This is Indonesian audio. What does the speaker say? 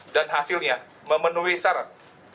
dan hasilnya memenuhi syarat